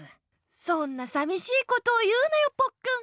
そんなさみしいことを言うなよポッくん。